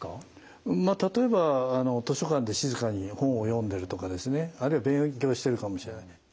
例えば図書館で静かに本を読んでるとかですねあるいは勉強してるかもしれない。